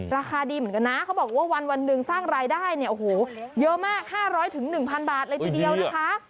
ราคาดีเหมือนกันนะเขาบอกว่าวันหนึ่งสร้างรายได้เนี่ยโอ้โหเยอะมาก๕๐๐๑๐๐บาทเลยทีเดียวนะคะ